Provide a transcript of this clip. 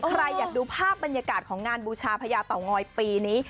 ใครอยากดูภาพบรรยากาศของงานบูชาพญาเต่างอยปีนี้